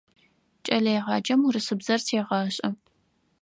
Кӏэлэегъаджэм урысыбзэр сегъашӏэ.